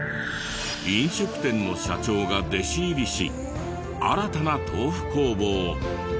飲食店の社長が弟子入りし新たな豆腐工房を。